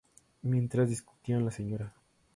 Mientras discutían, la Sra.